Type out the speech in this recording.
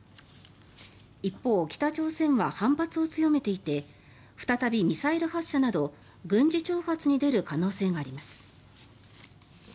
一方、北朝鮮は反発を強めていて再びミサイル発射など軍事挑発に出る可能性があります。